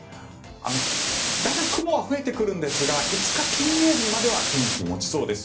だんだん雲は増えてくるんですが５日、金曜日までは天気持ちそうです。